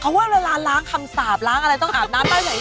เพราะว่าเวลาล้างคำสาปล้างอะไรต้องอาบน้ำใต้ไหน